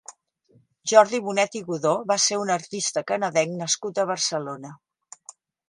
Jordi Bonet i Godó va ser un artista canadenc nascut a Barcelona.